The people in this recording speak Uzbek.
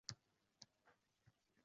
G‘amgin odam yoqmas hech kimga